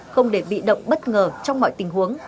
không để bị động bất ngờ trong mọi tình huống